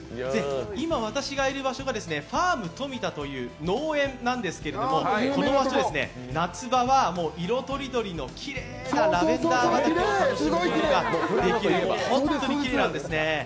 今、私がいる場所がファーム富田という農園なんですけれどもこの場所、夏場は色とりどりのきれいなラベンダー畑があって本当にきれいなんですね。